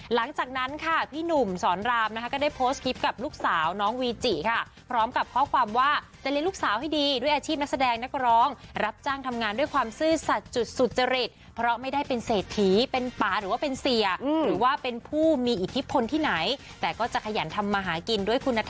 หลังจากนั้นค่ะพี่หนุ่มสอนรามนะคะก็ได้โพสต์คลิปกับลูกสาวน้องวีจิค่ะพร้อมกับข้อความว่าจะเลี้ยงลูกสาวให้ดีด้วยอาชีพนักแสดงนักร้องรับจ้างทำงานด้วยความซื่อสัตว์จุดสุจริตเพราะไม่ได้เป็นเศรษฐีเป็นป่าหรือว่าเป็นเสียหรือว่าเป็นผู้มีอิทธิพลที่ไหนแต่ก็จะขยันทำมาหากินด้วยคุณ